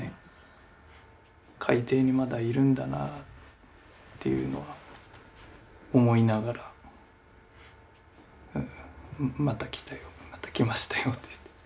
海底にまだいるんだなっていうのは思いながらまた来たよまた来ましたよって。